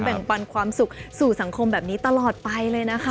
ปันความสุขสู่สังคมแบบนี้ตลอดไปเลยนะคะ